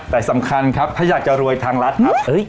แต่สำคัญครับถ้าอยากจะรวยทางรัฐครับ